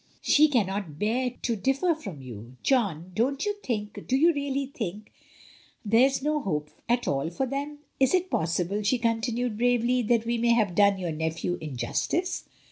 She cannot bear to — to differ from you. John, don't you think — do you really think — there is no hope at all for them? Is it possible," she continued bravely, "that we may have done your nephew injustice?"